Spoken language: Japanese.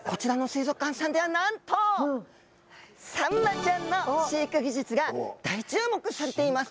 こちらの水族館さんではなんと、サンマちゃんの飼育技術が大注目されています。